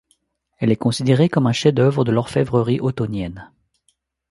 Elle est considérée comme un chef-d'œuvre de l'orfèvrerie ottonienne.